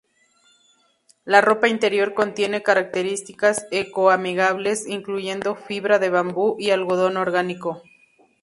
La ropa interior contiene características eco-amigables, incluyendo fibra de bambú y algodón orgánico.